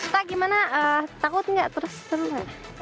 pak gimana takut nggak terus terus